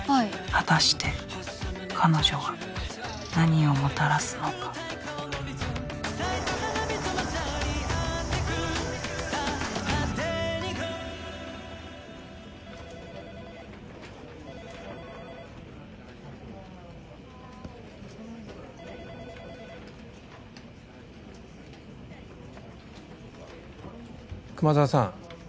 果たして彼女は何をもたらすのか熊沢さん。